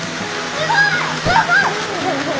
すごい！